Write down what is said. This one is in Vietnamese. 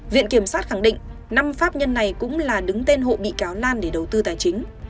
viện kiểm sát khẳng định năm pháp nhân này cũng là đứng tên hộ bị cáo lan để đầu tư tài chính